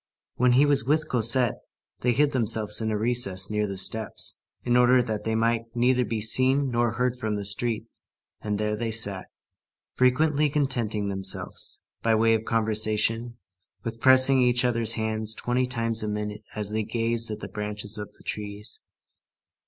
When he was with Cosette, they hid themselves in a recess near the steps, in order that they might neither be seen nor heard from the street, and there they sat, frequently contenting themselves, by way of conversation, with pressing each other's hands twenty times a minute as they gazed at the branches of the trees.